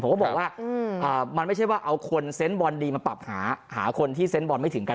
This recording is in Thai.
ผมก็บอกว่ามันไม่ใช่ว่าเอาคนเซนต์บอลดีมาปรับหาคนที่เซนต์บอลไม่ถึงกัน